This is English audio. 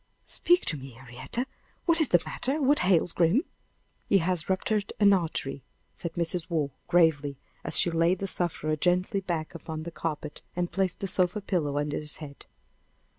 "Speak to me, Henrietta! What is the matter? What ails Grim?" "He has ruptured an artery," said Mrs. Waugh, gravely, as she laid the sufferer gently back upon the carpet and placed the sofa pillow under his head.